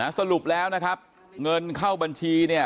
สรุปแล้วนะครับเงินเข้าบัญชีเนี่ย